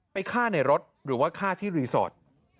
ไปฆ่าในรถหรือว่าฆ่าที่รีสอร์ท